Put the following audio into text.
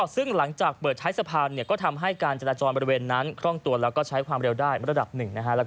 ซึ่งหลังจากเปิดใช้สะพานก็ทำให้การจรัจรรณ์บริเวณนั้น